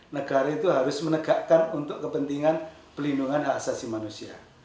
negara itu harus menegakkan untuk kepentingan pelindungan hak asasi manusia